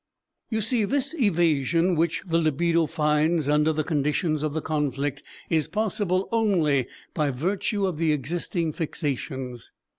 You see, this evasion which the libido finds under the conditions of the conflict is possible only by virtue of the existing fixations.